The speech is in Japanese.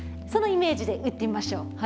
そのイメージで打ってみましょう。